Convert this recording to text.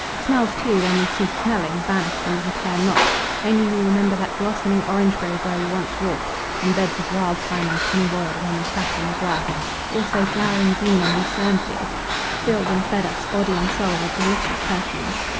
Smells, too, when we cease smelling, vanish and return not, only we remember that blossoming orange grove where we once walked, and beds of wild thyme and penny royal when we sat on the grass, also flowering bean and lucerne fields, filled and fed us, body and soul, with delicious perfumes.